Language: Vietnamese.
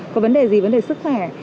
có vấn đề gì vấn đề sức khỏe